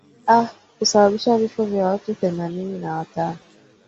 a kusababisha vifo vya watu thelathini na watano